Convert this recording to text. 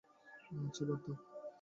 আচ্ছা, বাদ দাও।